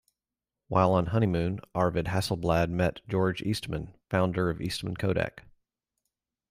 While on honeymoon, Arvid Hasselblad met George Eastman, founder of Eastman Kodak.